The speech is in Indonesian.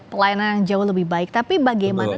pelayanan yang jauh lebih baik tapi bagaimana